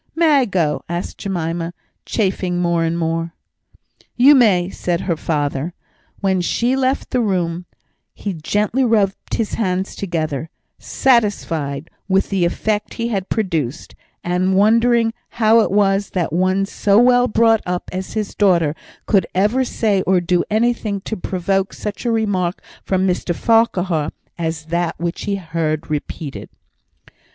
"May I go?" asked Jemima, chafing more and more. "You may," said her father. When she left the room he gently rubbed his hands together, satisfied with the effect he had produced, and wondering how it was, that one so well brought up as his daughter could ever say or do anything to provoke such a remark from Mr Farquhar as that which he had heard repeated.